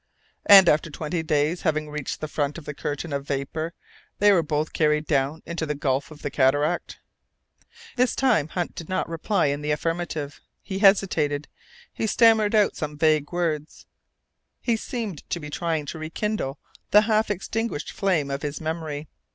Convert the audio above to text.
"And, after twenty days, having reached the front of the curtain of vapour, they were both carried down into the gulf of the cataract?" This time Hunt did not reply in the affirmative; he hesitated, he stammered out some vague words; he seemed to be trying to rekindle the half extinguished flame of his memory.